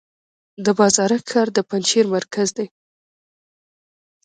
د بازارک ښار د پنجشیر مرکز دی